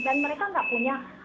dan mereka nggak punya